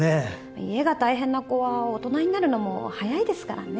家が大変な子は大人になるのも早いですからね。